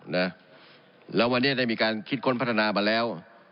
นะแล้ววันนี้ได้มีการคิดค้นพัฒนามาแล้ว